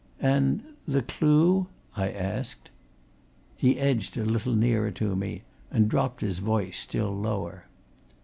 "And the clue?" I asked. He edged a little nearer to me, and dropped his voice still lower.